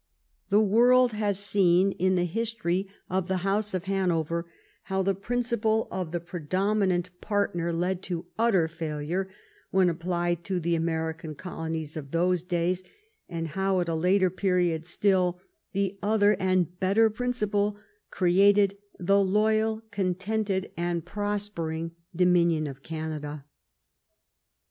The world has seen in the history of the house of 265 THE REIGN OF QUEEN ANNE Hanover how the principle of the predominant partner led to titter failure when applied to the American colonies of those days, and how at a later period still the other and better principle created the loyal, content ed, and prospering Dominion of Canada.